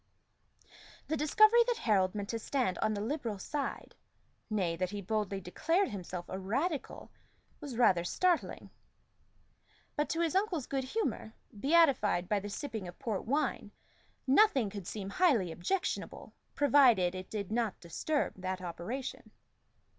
The discovery that Harold meant to stand on the Liberal side nay, that he boldly declared himself a Radical was rather startling; but to his uncle's good humor, beatified by the sipping of port wine, nothing could seem highly objectionable, provided it did not disturb that operation.